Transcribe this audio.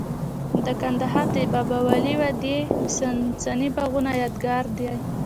د کندهار د بابا ولی وادي د ساساني باغونو یادګار دی